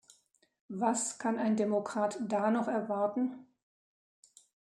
Was kann ein Demokrat da noch erwarten?